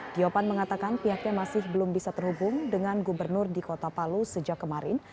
tiopan mengatakan pihaknya masih belum bisa terhubung dengan gubernur di kota palu sejak kemarin